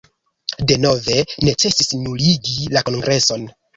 Denove necesis nuligi la kongreson.